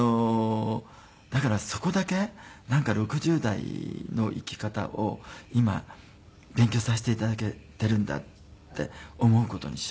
だからそこだけなんか６０代の生き方を今勉強させて頂けているんだって思う事にしようと思って。